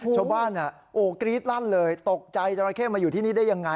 ชาวบ้านกรี๊ดลั่นเลยตกใจจราเข้มาอยู่ที่นี่ได้ยังไง